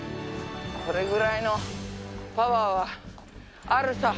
これくらいのパワーはあるさ。